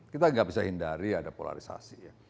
kita nggak bisa hindari ada polarisasi ya